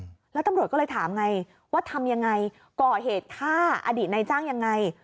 แล้วตำรวจก็เลยถามไงว่าทำยังไงก่อเหตุฆ่าอดีตในจ้างยังไง